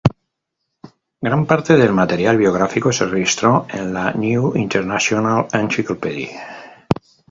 Gran parte del material biográfico se registró en la "New International Encyclopedia".